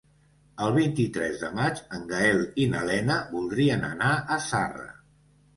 El vint-i-tres de maig en Gaël i na Lena voldrien anar a Zarra.